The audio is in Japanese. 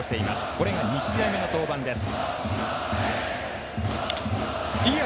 これが２試合目の登板です。